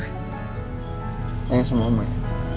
bantainya sama uma ya